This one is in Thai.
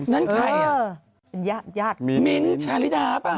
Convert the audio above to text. นั่นใครอ่ะมิ้นชาลิดาป่ะมิ้นชาลิดาป่ะ